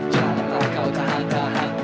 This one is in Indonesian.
janganlah kau tahan tahan